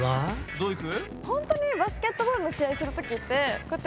どういく？